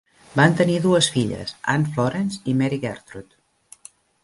Van tenir dues filles: Ann Florence i Mary Gertrude.